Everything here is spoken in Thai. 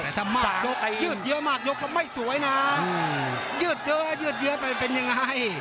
แต่ถ้ามากยกยืดเยอะมากยกมันไม่สวยนะยืดเยอะยืดเยอะไปมันเป็นยังไง